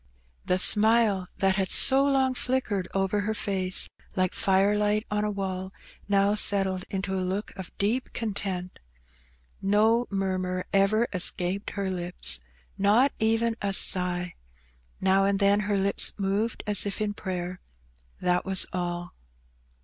The smile that had so long flickered over her face like firelight on a wall, now settled into a look of deep content. No murmur ever escaped her lips, not even a sigh; now and then her lips moved as if in prayer, that was all.